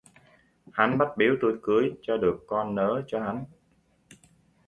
Hắn bắt bíu tui cưới cho được con nớ cho hắn